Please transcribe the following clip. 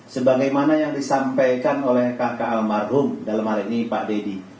sebagaimana yang disampaikan oleh kakak almarhum dalam hal ini pak deddy